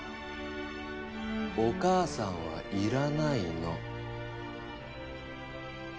お母さんはいらないの。